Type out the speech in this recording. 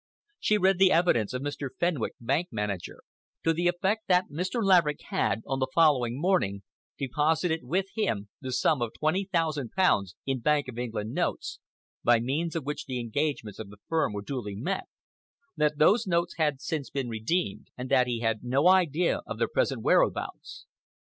She read the evidence of Mr. Fenwick, bank manager, to the effect that Mr. Laverick had, on the following morning, deposited with him the sum of twenty thousand pounds in Bank of England notes, by means of which the engagements of the firm were duly met, that those notes had since been redeemed, and that he had no idea of their present whereabouts.